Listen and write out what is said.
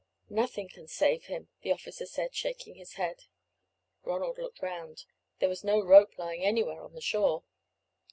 "Nothing can save him," the officer said, shaking his head. Ronald looked round; there was no rope lying anywhere on the shore.